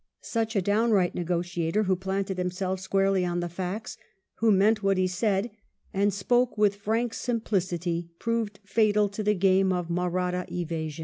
Such a downright negotiator, who planted himself squarely on the facts, who meant what he said, and spoke with frank simplicity, proved fatal to the game of Mahratta evasion.